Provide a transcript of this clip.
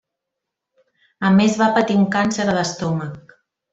A més va patir un càncer d'estómac.